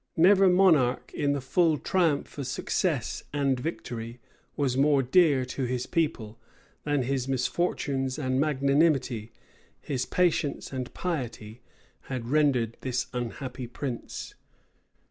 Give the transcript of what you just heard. Never monarch, in the full triumph of success and victory, was more dear to his people, than his misfortunes and magnanimity, his patience and piety, had rendered this unhappy prince.